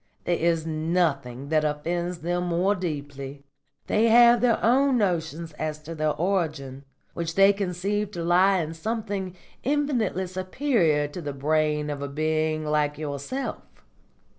There is nothing that offends them more deeply. They have their own notions as to their origin, which they conceive to lie in something infinitely superior to the brain of a being like yourself.